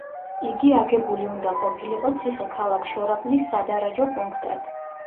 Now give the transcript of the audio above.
იგი აგებული უნდა ყოფილიყო ციხე-ქალაქ შორაპნის სადარაჯო პუნქტად.